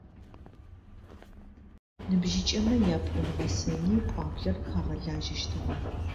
Ныбжьыкӏэмэ япӏун-гъэсэни пӏуаблэр хагъэлажьэщтыгъэ.